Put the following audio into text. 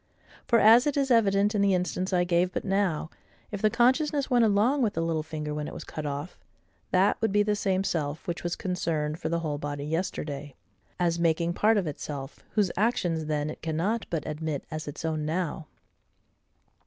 For, as it is evident in the instance I gave but now, if the consciousness went along with the little finger when it was cut off, that would be the same self which was concerned for the whole body yesterday, as making part of itself, whose actions then it cannot but admit as its own now.